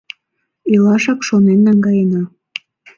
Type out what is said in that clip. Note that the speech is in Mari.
Илашак шонен наҥгаена.